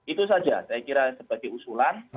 itu saja saya kira sebagai usulan